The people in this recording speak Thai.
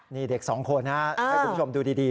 นี่เด็กสองคนนะให้คุณผู้ชมดูดี